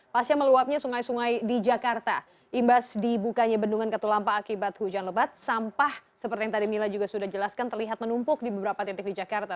pasca meluapnya sungai sungai di jakarta imbas dibukanya bendungan katulampa akibat hujan lebat sampah seperti yang tadi mila juga sudah jelaskan terlihat menumpuk di beberapa titik di jakarta